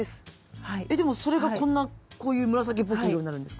えっでもそれがこんなこういう紫っぽい色になるんですか？